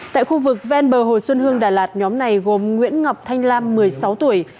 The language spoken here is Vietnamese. tại khu vực ven bờ hồ xuân hương đà lạt nhóm này gồm nguyễn ngọc thanh lam một mươi sáu tuổi